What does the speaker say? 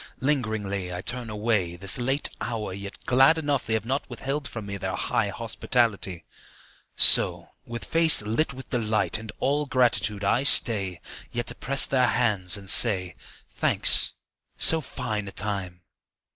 Lingeringly I turn away, This late hour, yet glad enough They have not withheld from me Their high hospitality. So, with face lit with delight And all gratitude, I stay Yet to press their hands and say, "Thanks. So fine a time